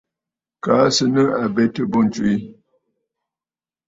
Kaa à sɨ̀ nɨ̂ àbetə̀ bû ǹtswe.